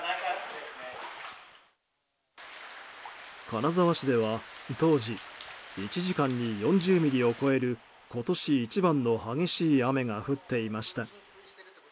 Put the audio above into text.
金沢市では当時１時間に４０ミリを超える今年一番の激しい雨が降っていました。